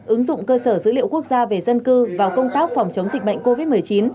ứng dụng cơ sở dữ liệu quốc gia về dân cư vào công tác phòng chống dịch bệnh covid một mươi chín